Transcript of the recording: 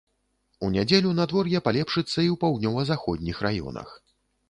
У нядзелю надвор'е палепшыцца і ў паўднёва-заходніх раёнах.